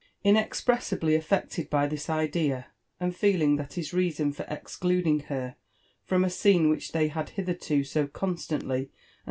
:,'^ biexpressibiy aflected by Ibis idea, and feeling that his reason for esbcludiog her fipoq^ a seene which they had hitherto so Gonstantly and.